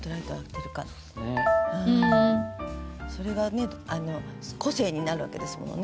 それが個性になるわけですものね。